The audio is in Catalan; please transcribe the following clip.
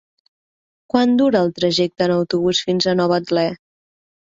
Quant dura el trajecte en autobús fins a Novetlè?